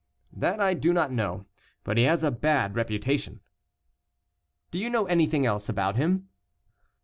"That I do not know; but he has a bad reputation," "Do you know anything else about him?"